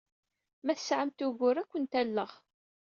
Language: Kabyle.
Ma tesɛamt ugur, ad kent-alleɣ.